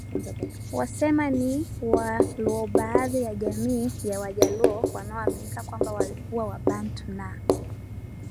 wasema ni wa luoBaadhi ya jamii ya Wajaluo wanaoaminika kwamba walikuwa Wabantu na